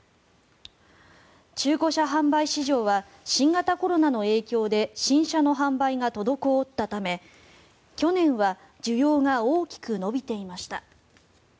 中古車販売市場は新型コロナの影響で新車の販売が滞ったため、去年は需要が大きく伸びていました。